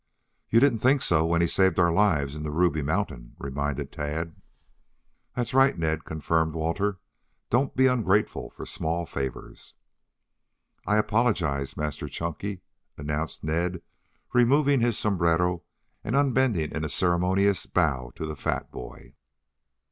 "You didn't think so when he saved our lives in the Ruby Mountain," reminded Tad. "That's right, Ned," confirmed Walter. "Don't be ungrateful for small favors." "I apologize, Master Chunky," announced Ned, removing his sombrero and unbending in a ceremonious bow to the fat boy.